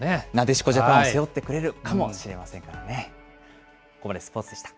なでしこジャパン、背負ってくれるかもしれませんからね。